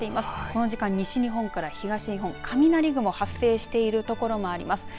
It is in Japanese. この時間、西日本から東日本、雷雲が発生している所もあります。